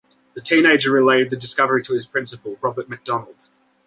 The teenager relayed the discovery to his principal, Robert McDonald.